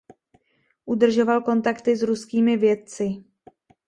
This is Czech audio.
Udržoval kontakty s ruskými vědci.